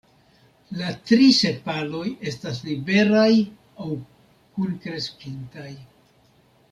La tri sepaloj estas liberaj aŭ kunkreskintaj.